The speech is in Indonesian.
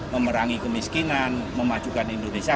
memerangi kemiskinan memajukan indonesia